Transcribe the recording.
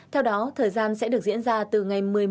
theo đó thời gian sẽ được diễn ra từ ngày một mươi một